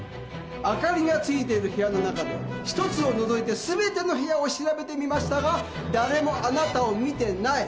明かりがついてる部屋の中でひとつを除いてすべての部屋を調べてみましたがだれもあなたを見てない。